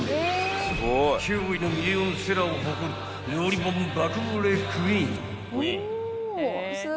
驚異のミリオンセラーを誇る料理本爆売れクイーン］